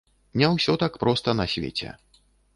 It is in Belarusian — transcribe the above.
Не ўсё так проста на свеце!